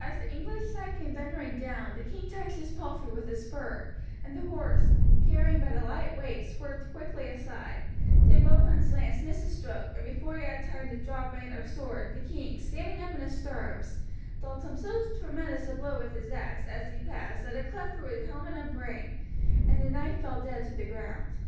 As the English knight came thundering down, the king touched his palfrey with his spur, and the horse, carrying but a light weight, swerved quickly aside; De Bohun's lance missed his stroke, and before he had time to draw rein or sword, the king, standing up in his stirrups, dealt him so tremendous a blow with his axe as he passed, that it cleft through helmet and brain, and the knight fell dead to the ground.